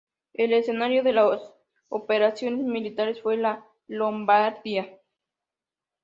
El escenario de las operaciones militares fue la Lombardía.